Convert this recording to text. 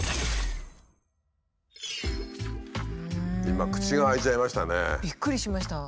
今口が開いちゃいましたね。